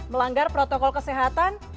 melanggar protokol kesehatan